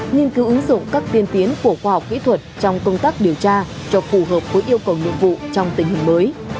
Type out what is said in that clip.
nghiên cứu ứng dụng các tiên tiến của khoa học kỹ thuật trong công tác điều tra cho phù hợp với yêu cầu nhiệm vụ trong tình hình mới